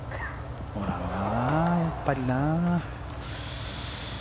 ほらな、やっぱりな。